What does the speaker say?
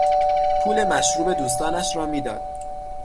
پول مشروب دوستانش را میداد.